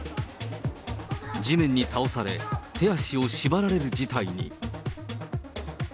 地面に倒され、手足を縛られる事態に。